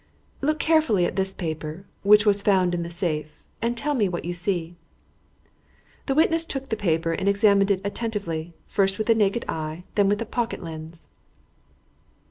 "Look carefully at this paper, which was found in the safe, and tell me what you see." The witness took the paper and examined it attentively, first with the naked eye and then with a pocket lens.